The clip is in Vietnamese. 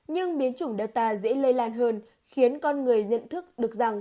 nhưng biến chủng data dễ lây lan hơn khiến con người nhận thức được rằng